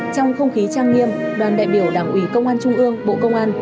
trong không khí trang nghiêm đoàn đại biểu đảng ủy công an trung ương bộ công an